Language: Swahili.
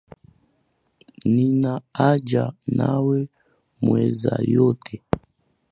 Nina haja nawe, mweza yote.